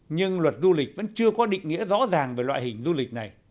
nhưng luật du lịch vẫn chưa có định nghĩa rõ ràng về loại hình du lịch này